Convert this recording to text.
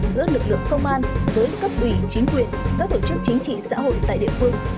giữa lực lượng công an với cấp ủy chính quyền các tổ chức chính trị xã hội tại địa phương